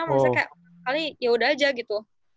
maksudnya kayak kali yaudah aja gitu